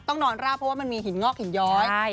นอนราบเพราะว่ามันมีหินงอกหินย้อย